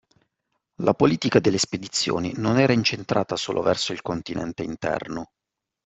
La politica delle spedizioni non era incentrata solo verso il continente interno